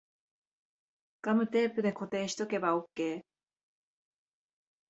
ガムテープで固定しとけばオッケー